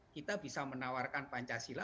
kita bisa menawarkan pancasila